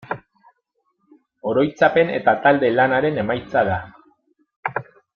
Oroitzapen eta talde-lanaren emaitza da.